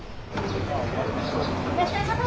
いらっしゃいませ。